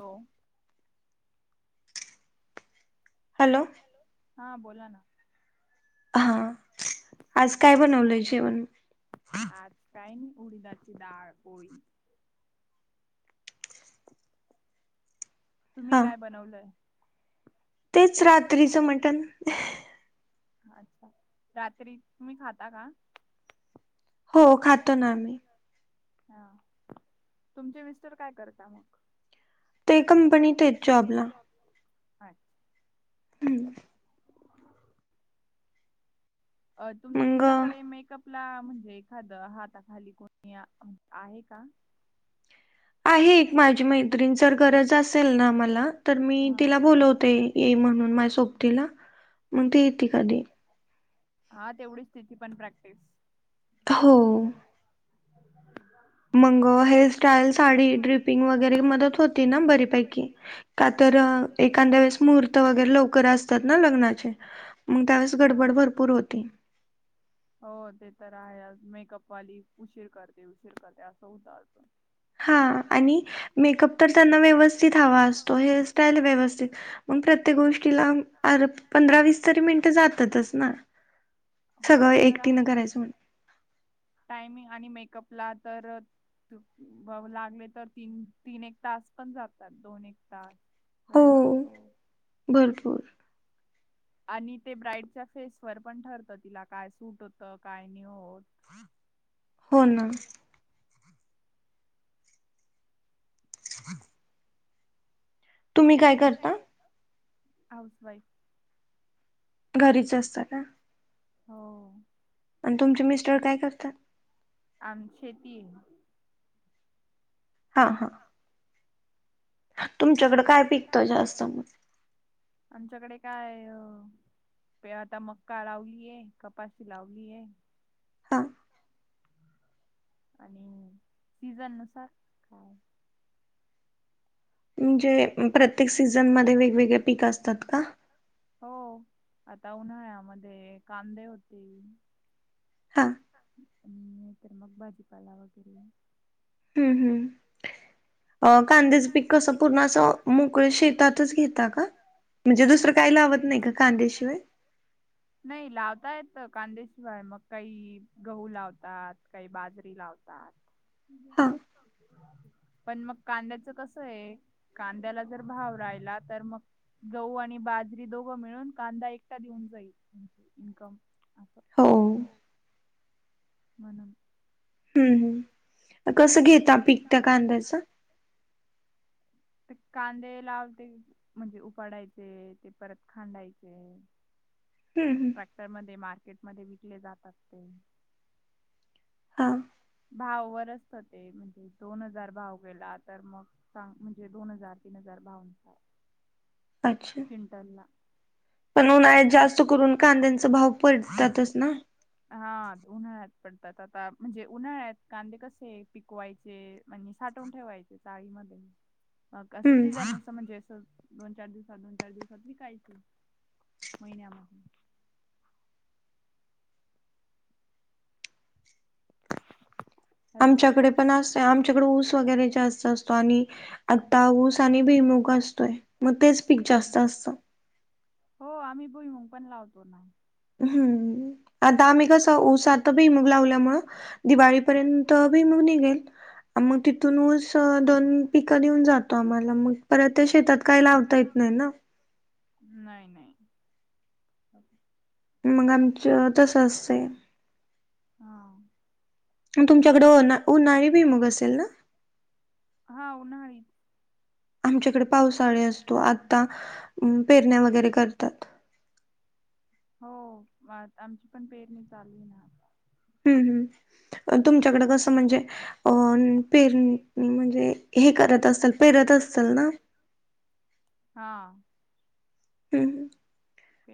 हो hello hello हा बोला ना हा आज काय बनवलंय जेवण आज काय नाई उडदाची दाळ पोळी तुम्ही काय बनवलंय? तेच रात्रीचं मटण अच्छा रात्री तुम्ही खाता का हो हा तुमचे मिस्टर काय करता मग ते कंपनीत आहे जॉबला अच्छा हम्म [inaudible] अ तुम तुमच्याकडे मेकअप आपला म्हणजे एखाद हाता खाली कोणी आहे का? आहे एक माझी मैत्रीण जर गरज असेल ना मला तर मी तिला बोलवते. ऐ म्हणून माझ्या सोबतीला. ठीक आहे [unintelligible] मग ती येती कधी. हा तेवढीच तिजी पण प्रॅक्टिस मग हेअरस्टाईल, साडी, ड्रिपिंग वगैरे मदत होती ना बरीपैकी. का तर एखांद्या वेळेस मुहूर्त वगैरे लवकर असतात ना लग्नाचे. मग त्यावेळेस गडबड भरपूर होते. हो ते तर आहे. आज मेकअपवाली उशीर करते. उशीर करते, असं होत आतून. हा आणि मेकअप तर त्यांना व्यवस्थित हवा असतो. हेअरस्टाईल व्यवस्थित मग प्रत्येक गोष्टीला अर पंधरा वीस तरी मिनिटं जातातच ना. सगळं एकटीन करायचं म्हण - - टायमिंग आणि मेकअपला तर लागले तर तीन -तीन एक तास पण जातात. दोन एक तास वेळ लागतो. भरपूर. आणि ते ब्राईडच्या फेसवर पण ठरत. तिला काय सूट होतं काय नाही होत. हो ना. [inaudible] तुम्ही काय करता? Housewife. घरीच असता का? हो. आणि तुमचे मिस्टर काय करतात? आमची शेती ये. हा, हा. हा. तुमच्याकडं काय पिकतं जास्त मगं? आमच्याकडे काय? पि आता मका लावलीय. कपाशी लावलीय. का. आणि सीजन नुसार काय म्हणजे प्रत्येक सीझनमध्ये वेगवेगळे पीक असतात का? हो. आता उन्हाळ्यामध्ये कांदे होतिल. नाही तरर मग भाजीपाला वगैरे अ कांदेचं पीक कसं पूर्ण असं मोकळे शेतातच घेता का? म्हणजे दुसरं काय लावत नाही का कांदे शिवाय? [inaudible] नाही लावता येत कांदेशिवाय मग काही गहू लावतात. काही बाजरी लावतात. [inaudible] हं. पण मग कांद्याच कसये कांद्याला जर भाव राहिला तर मग गहू आणि बाजरी दोघं मिळून कांदा एकटा देऊन जाईल इन्कम असं. हो. म्हणुन. हम् ह. कसं घेता पीक त्या कांद्याचं? ते कांदे लावते म्हणजे उपाडायचे. ते परत खांडायचे. [inaudible] हम, हम. तर मध्ये मार्केटमध्ये विकले जातात ते. हां भाव वर असत ते म्हणजे दोन हजार भाव गेला तर मग [unintelligible] [unintelligible] दोन हजार तीन हजार भाव क्विंटल ला पण उन्हाळत जास्त करून कांद्यांचे भाव पडतातच ना हा उन्हाळ्यात पडतात आता म्हणजे उन्हाळ्यात कांदे कसे पिकवायचे म्हणजे साठवून ठेवायचे जाळीमध्ये मग असं सीझन नुस म्हणजे असं दोन चार दिवसात दोन चार दिवसात विकायचे महिन्यामधून [inaudible] आमच्याकडे पण असते आमच्याकडे ऊस वगैरे जास्त असतो आणि आता ऊस आणि भिमुग असतोय मग तेच पीक जास्त असतं हो आम्ही भुईमूग पण लावतो ना हम्म- आता आम्ही कस ऊसात भुईमूग लावल्यामुळं दिवाळीपर्यंत भुईमूग निघेल मग तिथून उस दोन पिकं देऊन जातो आम्हाला मग परत त्या शेतात काही लावता येत नाही ना नाही-नाही मग आमचं तस असतंय तुमच्याकडं ना उन्हाळी भुईमूग असेल ना हा उन्हाळी आमच्याकडे पावसाळी असतो आता पेरण्या वगैरे करतात हो आमची पण पेरणी चालली ना आता हम्म हम् तुमच्याकडे कसं म्हणजे ओ [unintelligible] म्हणजे हे करत असतल पेरत असतल ना हा ह्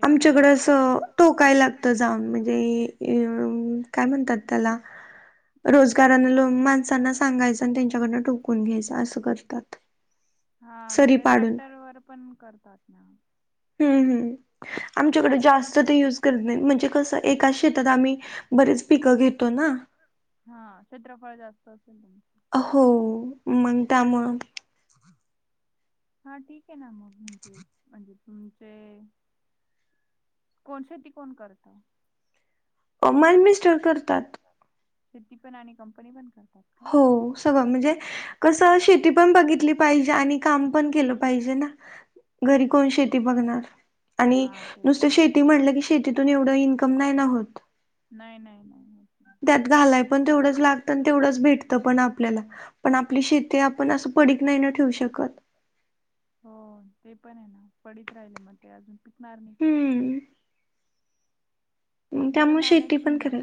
आमच्याकडं असं टोकाय लागत जाऊन म्हणजे [unintelligible] काय म्हणतात त्याला रोजगार लो माणसांना सांगायचं आणि त्यांच्याकडन टो [unintelligible] घ्यायचा असं करतात हा ट्रॅक्टर वर पण करतात ना हम्म हम् आमच्याकडे जास्त ते यूज करत नाही म्हणजे कसं एकाच शेतात आम्ही बरेच पिकं घेतो ना हा क्षेत्रफळ जास्त असेल [unintelligible] हो मन त्यामुळं हा ठीक आहे ना मग म्हणजे म्हणजे तुमचे कोण शेती कोण करत [unintelligible] करतात शेती पण आणि कंपनी पण करतात हो सगळं म्हणजे कसं शेती पण बघितली पाहिजे आणि काम पण केलं पाहिजे ना घरी कोण शेती बघणार आणि नुसतं शेती म्हटलं की शेतीतून एवढं इन्कम नाही नाहोत नाही-नाही-नाही-नाही त्यात घालाय पण तेवढंच लागतं आणि तेवढंच भेटतं पण आपल्याला पण आपली शेती आपण असं पडीक नाही न ठेवू शकत हो ते पण आहे ना पडत राहिले मग ते अजून पिकणार नाही काही त्यामुळे शेती पण केल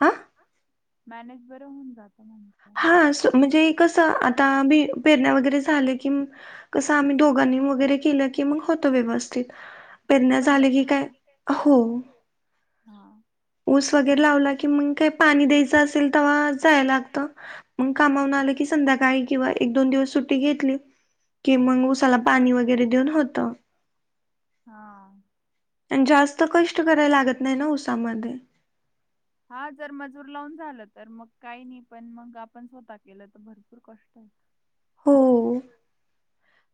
हा मॅनेज बरं होऊन जातं म्हण हा म्हणजे कस आता भ पेरण्या वगैरे झाल्या कि कसं आम्ही दोघांनी वगैरे केलं की मग होतं व्यवस्थित पेरन्या झाले की काय हो हा ऊस वगैरे लावला की मग काय पाणी द्यायच असेल तेव्हा जाय लागत मग कामाून आलं की संध्याकाळी किंवा एक दोन दिवस सुट घेतली की मग उसाला पाणी वगैरे देऊन होत हा आणि जास्त कष्ट करायला लागत नाही ना उसामध्ये हा जर मजूर लावून झालं तर मग काही नाही पण मग आपण स्वतः केलं तर भरपूर कष्ट आहे हो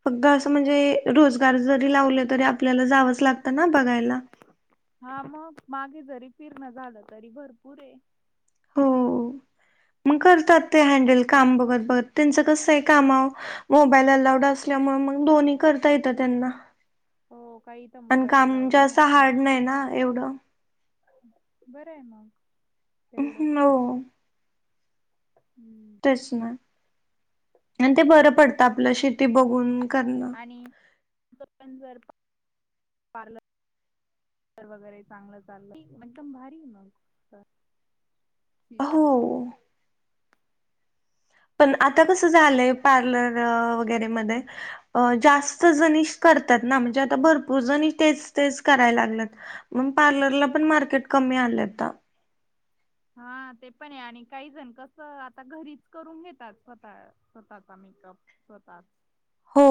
पगग म्हणजे रोजगार जरी लावले तरी आपल्याला जावंच लागतं ना बघायला हा मग मागे जरी फिरण झालं तरी भरपूर आहे हो मग करतात ते हँडल काम बघत बघत त्यांचं कसं आहे काम मोबाईल अलाउड अस ल्यामुळे मग दोन्ही करता येतं त्यांना आणि काम म्हणजे असं हार्ड नाही ना एवढं बरं आहे मग हो हम्म ते बर पडत आपलं शेती बघून वगैरे चांगलं चाललं एकदम भारी मग तर हो पण आता कसं झालंय पार्लर वगैरे मध्ये जास्त जणीश कर म्हणजे आता भरपूर ज तेच तेच करा लागत मग पार्लरला पण मार्केट कमी आलंत हा ते पण आहे आणि काही जण कस आता घरीच करून घेतात स्वतः स्वतःचा मेकअप स्वतः हो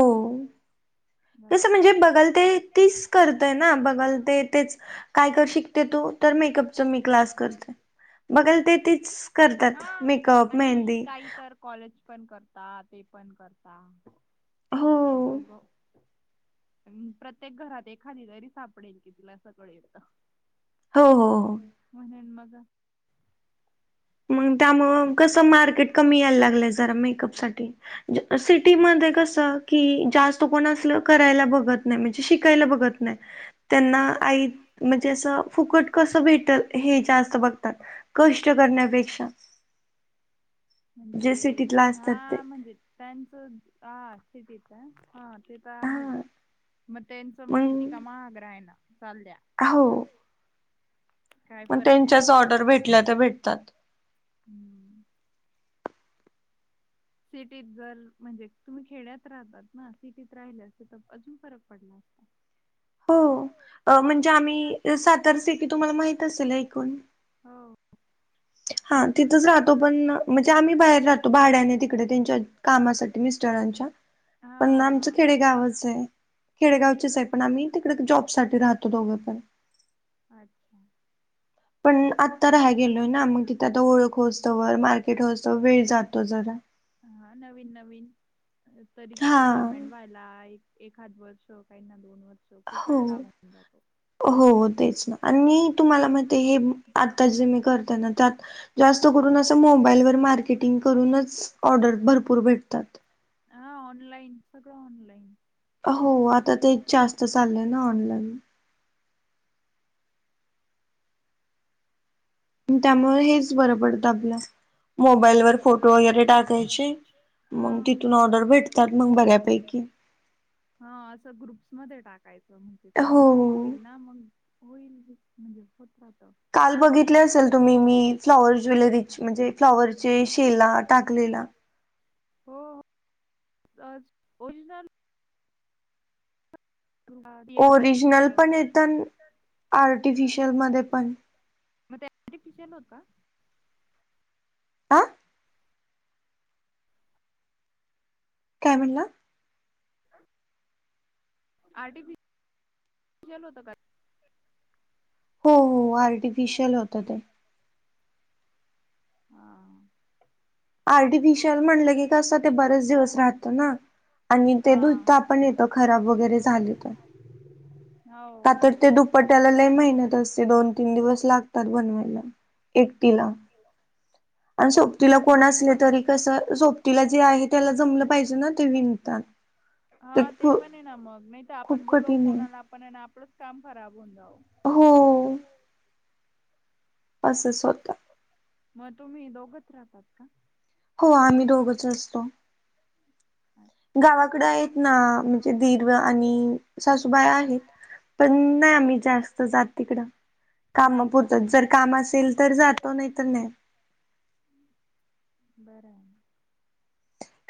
तसं म्हणजे बघाल ते तीच करतय ना बघल ते तेच काय कर शिकते तू तर मेकअपच मी क्लास करते बगाल ते तीच करतात मेकअप मेहंदी कॉलेज पण करता ते पण करताग प्रत्येक घरात एखादीदारी सापडेल की तिला असं कळेल हो हो मणण मग मग त्यामु कस मार्केट कमी यायला लागलंय जरा मेकअप साठी सिटीमध्येध्ये कसं की जास्त कोण असल करायला बघत नाही म्हणजे शिकायला बघत नाही त्यांना आई म्हणजे अस फुकट कस भेटल हे जास्त बघतात कष्ट करण्या पेक्षा म्हणजे हा म्हणजे त्यांचं हा स्थितीचा ते तर आहे मग त्यांचं मग किती कामाहाग्र आहे ना चाल द्या हो मग त्यांच्याच ऑर्डर भेटल्या तर भेटतात सिटीत जर म्हणजे तुम्ही खेड्यात राहतात ना सिटीत राहिल्या अस तर अजून फरक पडला असता हो म्हणजे आम्ही सातार सेटी तुम्हाला माहित असेल ऐकून हो हा तिथच राहतो पण म्हणजे आम्ही बाहेर राहतो भाड्याने तिकडे त्यांच्या कामासाठी मी पण आम खेडे गाव खेडेगावचेच आहे पण आम्ही तिकडे जॉब साठी राहतो दोघं पण अच्छा पण आत्ता राहाय गेलोय ना मग तिथे आता ओळख होसतो वर मार्केट होसतो वर वेळ जातो जरा. हा नवीन नवीन तरी सेटलमेंट व्हायला एक. एखाद वर्ष काही ना दोन वर्ष खूप वेळ लागून जातो. हो तेच ना आणि तुम्हाला माहित हे आता जे मी करते ना त्यात. जास्त करून असं मोबाईलवर मार्केटिंग करूनच ऑर्डर भरपूर भेटतात. हा ऑनलाईन सगळं ऑनलाईन हो आता तेच जास्त चाललंय ना ऑनलाईन. त्यामुळे हेच बरं पडतं आपलं. मोबाईल वर फोटो वगैरे टाकायचे मग तिथून ऑर्डर भेटतात मग बऱ्यापैकी. हा असं ग्रुप्स मध्ये टाकायचं म्हणजे पब्लिसिटी होईल ना मग. होईल म्हणजे होत राहत काल बघितले असेल. तुम्ही मी फ्लॉवर ज्वेलरीची म्हणजे फ्लॉवरजे शेला टाकलेला. अ ज ओरिजनल. ओरिजनल पण येत अन् आर्टिफिशियल मध्ये पण. मग ते आर्टिफिशियल हो का? आ काय म्हणला आर्टिफिशियल होत का ते? हो हो आर्टिफिशियल होतं ते. हा आर्टिफिशयल म्हटलं की कसं ते बरेच दिवस राहतं ना! आणि ते धुता पण येत खराब वगैरे झाले तर का तर ते दुप पपण त्याला लय मेहनत असते दोन तीन दिवस लागतात बनवायला एकटीला. सोबतीला कोण असले तरी कस [inaudible] हा ते पण आहे ना मग नाही तर आपण बोलवू कोणाला पण आणि आपलंच काम खराब होऊन जाऊ. हो असंच होत. मग तुम्ही दोघच राहतात का? हो आम्ही दोघच असतो. गावाकडे आहेत ना म्हणजे दीर आणि सासूबाई आहेत. पण नाय आम्ही जास्त जात तिकडं. काम पुरतं जर काम असेल तर जातो नाही तर नाही. बरं आहे.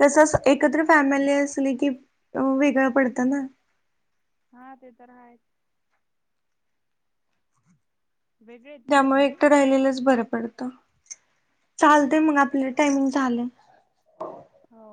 कसं अस एकत्र फॅमिली असली की वेगळं पडतं ना! हा ते तर आहेच. त्यामुळे एकटं राहिलेलंच बरं पडतं चालतय मग आपलं टायमिंग झालं. हो